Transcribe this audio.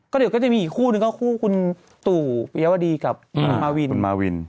ก็เดี๋ยวก็จะมีอีกคู่นึงก็คู่คุณตู่พิยาวดีกับคุณมาวิน